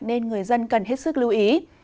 nên người dân cần hết sức lưu ý